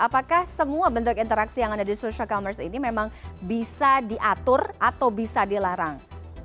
apakah semua bentuk interaksi yang ada di social commerce ini memang bisa diatur atau bisa dilarang